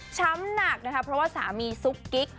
หนักนะคะเพราะว่าสามีซุกกิ๊ก